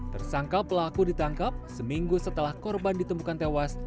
tersangka pelaku ditangkap seminggu setelah korban ditemukan tewas